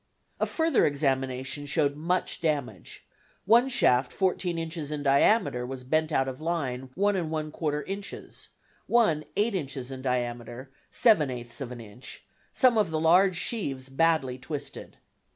A further examination showed much damage one shaft fourteen inches in diameter was bent out of line one and one quarter inches; one eight inches in diameter, seven eighths of an inch; some of the large sheaves badly twisted.